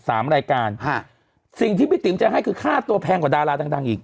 สามรายการฮะสิ่งที่พี่ติ๋มจะให้คือค่าตัวแพงกว่าดาราดังดังอีก